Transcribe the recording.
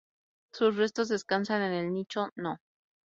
Sus restos descansan en el nicho No.